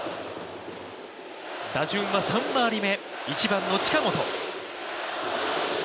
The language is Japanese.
打順は３回り目、１番の近本。